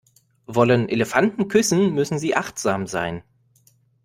Wollen Elefanten küssen, müssen sie achtsam sein.